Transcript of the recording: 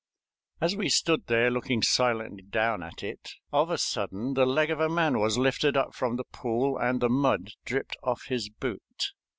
As we stood there, looking silently down at it, of a sudden the leg of a man was lifted up from the pool and the mud dripped off his boot.